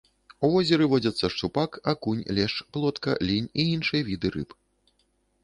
У возеры водзяцца шчупак, акунь, лешч, плотка, лінь і іншыя віды рыб.